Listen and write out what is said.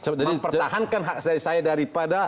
mempertahankan hak saya daripada